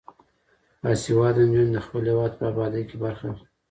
باسواده نجونې د خپل هیواد په ابادۍ کې برخه اخلي.